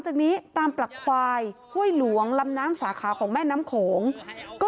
จากนี้ตามปลักควายห้วยหลวงลำน้ำสาขาของแม่น้ำโขงก็